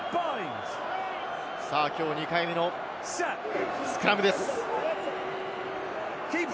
きょう２回目のスクラムです。